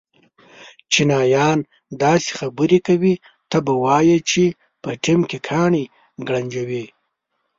چینایان داسې خبرې کوي ته به وایې چې په ټېم کې کاڼي گړنجوې.